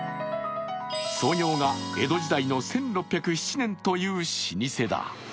創業が江戸時代の１６０７年という老舗だ。